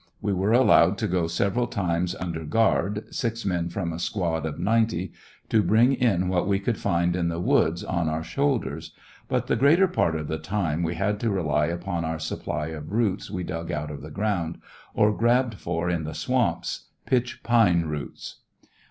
We were allowed to go several times, under guard, six men from a squad of 90, to bring in what we could find in the woods on our shoulders ; but the greater part of the time we had to rely upon our supply of roots we dug out of the ground, or grabbed for in the swamps pitch pine roots.